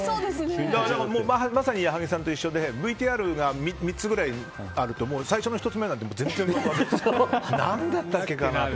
まさに矢作さんと一緒でＶＴＲが３つぐらいあると最初の１つ目は全然覚えてない。